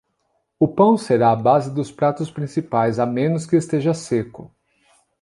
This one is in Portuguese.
O pão será a base dos pratos principais, a menos que esteja seco.